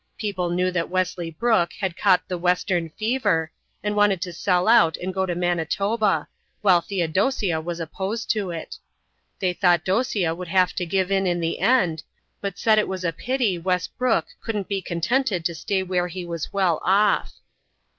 People knew that Wesley Brooke had caught "the western fever," and wanted to sell out and go to Manitoba, while Theodosia was opposed to it. They thought Dosia would have to give in in the end, but said it was a pity Wes Brooke couldn't be contented to stay where he was well off.